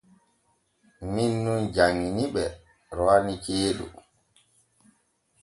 Min nun janŋini ɓe rowani ceeɗu.